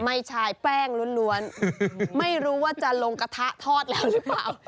ชายแป้งล้วนไม่รู้ว่าจะลงกระทะทอดแล้วหรือเปล่า